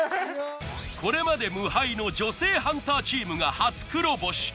これまで無敗の女性ハンターチームが初黒星。